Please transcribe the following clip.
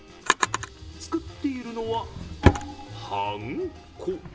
作っているのは、はんこ。